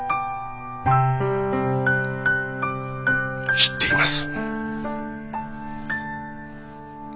知っています。